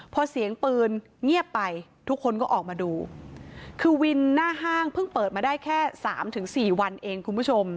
พอเสียงปืนเงียบไปทุกคนก็ออกมาดูคือวินหน้าห้างเพิ่งเปิดมาได้แค่สามถึงสี่วันเองคุณผู้ชม